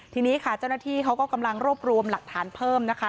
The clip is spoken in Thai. ทีนี้ค่ะเจ้าหน้าที่เขาก็กำลังรวบรวมหลักฐานเพิ่มนะคะ